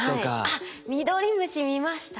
あっミドリムシ見ましたね。